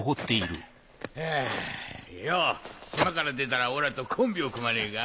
ハァよぉ島から出たらおらとコンビを組まねえか？